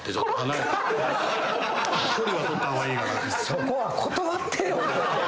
そこは断ってよ。